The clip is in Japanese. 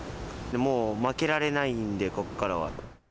もう、負けられないんで、ここからは。